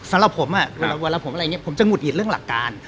สำหรับผมเวลาผมอะไรอย่างนี้ผมจะหุดหงิดเรื่องหลักการ